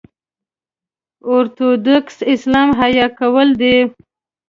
اورتوډوکسي اسلام احیا کول دي.